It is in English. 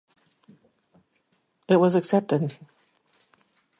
It was accepted.